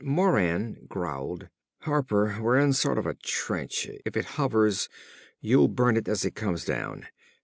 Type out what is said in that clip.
_" Moran growled; "Harper, we're in a sort of trench. If it hovers, you'll burn it as it comes down.